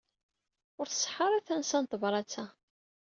Ur tṣeḥḥa ara tansa n tebrat-a.